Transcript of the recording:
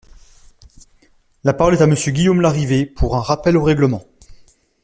La parole est à Monsieur Guillaume Larrivé, pour un rappel au règlement.